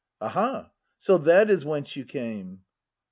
Aha! so that is whence you came?